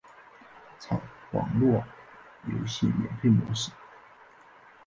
采网路游戏免费模式。